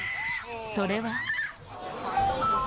それは。